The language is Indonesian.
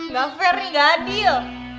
gak fair nih gak adil